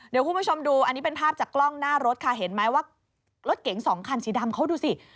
เดี๋ยวคุณผู้ชมดูอันนี้เป็นภาพจากกล้องหน้ารถค่ะเห็นไหมว่ารถเก๋งสองคันสีดำเขาดูสิ